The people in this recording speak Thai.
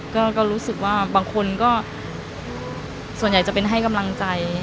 ก็รู้สึกว่าบางคนก็ส่วนใหญ่จะเป็นให้กำลังใจ